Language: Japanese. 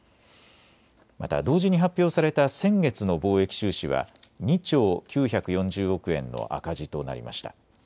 また同時に発表された先月の貿易収支は２兆９４０億円の赤字となりました。